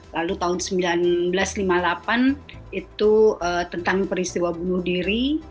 lalu tahun seribu sembilan ratus lima puluh delapan itu tentang peristiwa bunuh diri